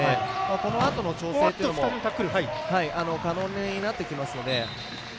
このあとの調整というのも可能になってきますので。